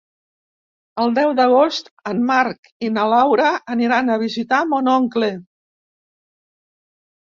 El deu d'agost en Marc i na Laura aniran a visitar mon oncle.